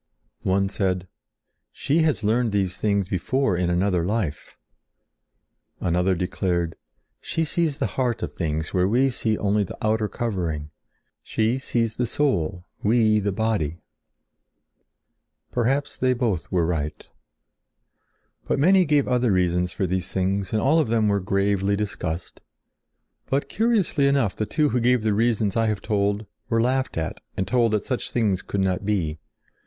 One said: "She has learned these things before in another life." Another declared: "She sees the heart of things where we see only the outer covering. She sees the soul, we the body." Perhaps they both were right. But many gave other reasons for these things and all of them were gravely discussed. But curiously enough, the two who gave the reasons I have told, were laughed at and told that such things could not be.